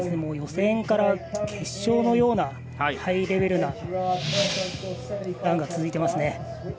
予選から決勝のようなハイレベルなランが続いています。